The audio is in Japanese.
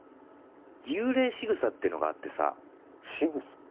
幽霊しぐさってのがあってさしぐさ？